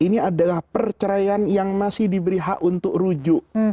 ini adalah perceraian yang masih diberi hak untuk rujuk